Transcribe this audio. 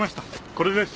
これです。